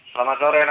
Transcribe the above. selamat sore nana